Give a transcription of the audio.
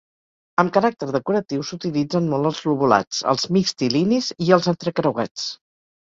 Amb caràcter decoratiu s'utilitzen molt els lobulats, els mixtilinis i els entrecreuats.